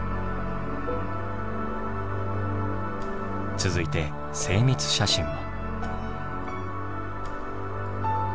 続いて精密写真も。